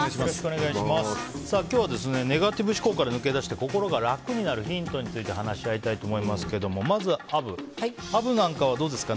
今日はネガティブ思考から抜け出して心が楽になるヒントについて話し合いたいと思いますがまずはアブなんかはどうですか。